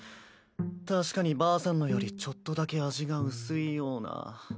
確かにばあさんのよりちょっとだけ味が薄いような。